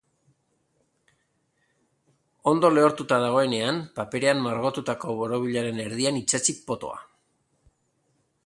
Ondo lehortuta dagoenean, paperean margotutako borobilaren erdian itsatsi potoa.